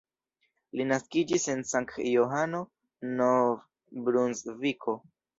Li naskiĝis en Sankt-Johano, Nov-Brunsviko.